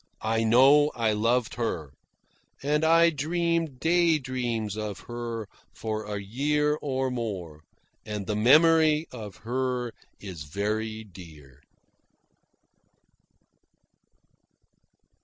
I know I loved her; and I dreamed day dreams of her for a year and more, and the memory of her is very dear.